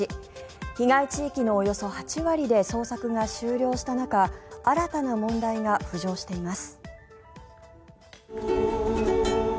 被害地域のおよそ８割で捜索が終了した中新たな問題が浮上しています。